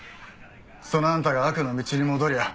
そのあんたが悪の道に戻りゃ